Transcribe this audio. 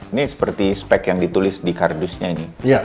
ini seperti spek yang ditulis di kardusnya ini